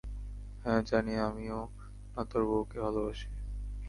হ্যাঁ, জানি, আমিও না তোর বউকে ভালোবাসি!